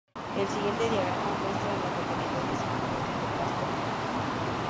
El siguiente diagrama muestra a las localidades en un radio de de Casper Mountain.